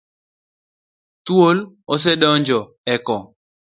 Thuol ose donjo e ko.